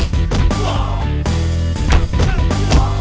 kau harus hafal penuh ya